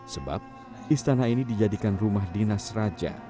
sebab istana ini dijadikan rumah dinas raja